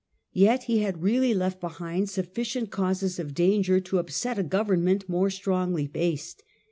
Yet he had really left behind sufficient causes of danger to upset a government more strongly based.